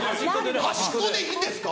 端っこでいいんですか。